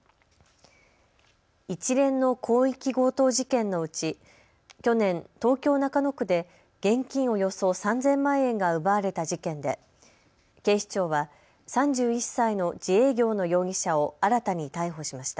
一連の広域強盗事件のうち、去年東京中野区で現金およそ３０００万円が奪われた事件で警視庁は３１歳の自営業の容疑者を新たに逮捕しました。